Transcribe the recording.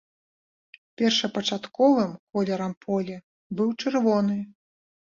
Першапачатковым колерам поля быў чырвоны.